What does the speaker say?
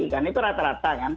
itu rata rata kan